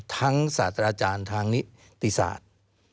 ทั้งสัตว์อาจารย์ทางนิติศาสตร์